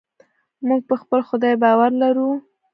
موږ په خپل خدای باور لرو.